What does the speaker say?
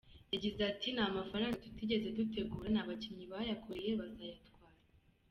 Yagize ati” Ni amafaranga tutigeze dutegura ni abakinnyi bayakoreye bazayatwara.